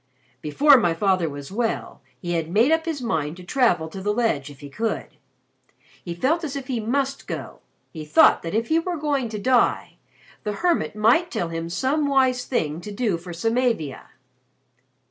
"Before my father was well, he had made up his mind to travel to the ledge if he could. He felt as if he must go. He thought that if he were going to die, the hermit might tell him some wise thing to do for Samavia."